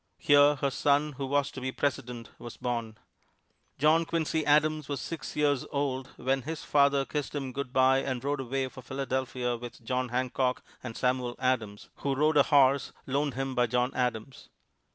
Here her son who was to be President was born. John Quincy Adams was six years old when his father kissed him good by and rode away for Philadelphia with John Hancock and Samuel Adams (who rode a horse loaned him by John Adams).